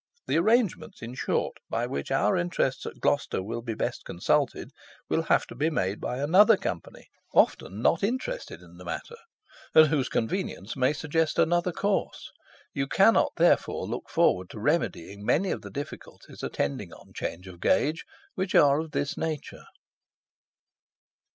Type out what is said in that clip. The arrangements, in short, by which our interests at Gloucester will be best consulted, will have to be made by another Company, often not interested in the matter, and whose convenience may suggest another course. You cannot, therefore, look forward to remedying many of the difficulties attending on change of gauge, which are of this nature."